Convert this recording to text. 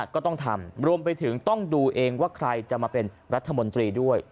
ก็ต้องทำรวมไปถึงต้องดูเองว่าใครจะมาเป็นรัฐมนตรีด้วย